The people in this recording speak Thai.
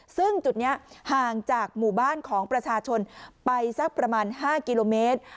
ซึ่งจุดนี้ห่างจากหมู่บ้านของประชาชนไปสักประมาณ๕กิโลเมตร